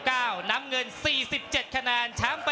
รอคะแนนจากอาจารย์สมาร์ทจันทร์คล้อยสักครู่หนึ่งนะครับ